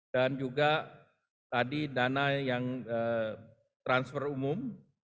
dan juga tadi dana yang transfer umum